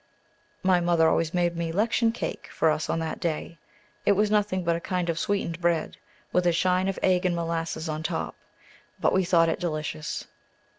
My mother always made "'Lection cake" for us on that day. It was nothing but a kind of sweetened bread with a shine of egg and molasses on top; but we thought it delicious.